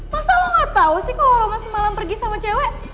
masa lo gak tau sih kalo roman semalam pergi sama cewek